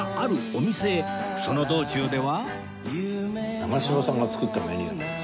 その道中ではへえ！